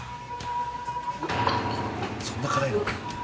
そんな辛いの？